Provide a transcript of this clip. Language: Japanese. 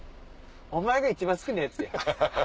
お前が一番好きなやつや！